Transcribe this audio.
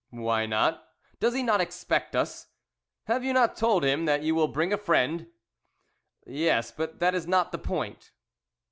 "Why not? Does he not expect us. Have you not told him that you will bring a friend?" "Yes, but that is not the point."